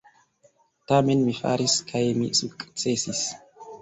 Tamen mi faris, kaj mi sukcesis.